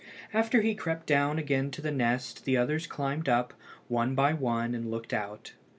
After he crept down again to the nest the others climbed up, one by one, and looked out.